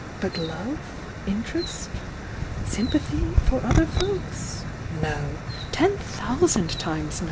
But love, interest, sympathy for other folks— no! — ten thousand times no!